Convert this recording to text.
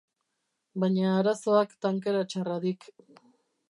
Baina arazoak tankera txarra dik.